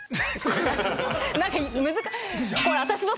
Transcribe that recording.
何か難しい。